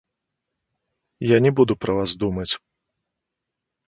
Я не буду пра вас думаць.